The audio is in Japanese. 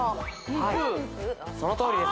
そのとおりです。